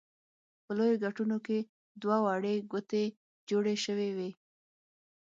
په لویو ګټونو کې دوه وړې کوټې جوړې شوې وې.